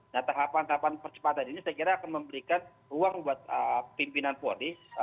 nah tahapan tahapan percepatan ini saya kira akan memberikan ruang buat pimpinan polri